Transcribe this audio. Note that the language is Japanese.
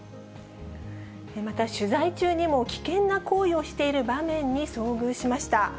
また取材中にも危険な行為をしている場面に遭遇しました。